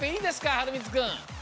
はるみつくん。